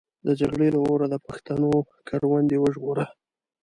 د جګړې له اوره د پښتنو کروندې وژغوره.